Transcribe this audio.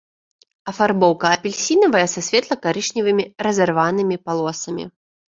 Афарбоўка апельсінавая са светла-карычневымі разарванымі палосамі.